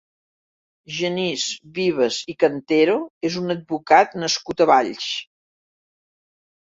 Genís Vives i Cantero és un advocat nascut a Valls.